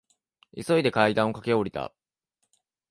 急いで階段を駆け下りた。